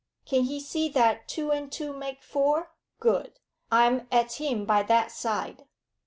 Can he see that two and two make four? Good; I'm at him by that side.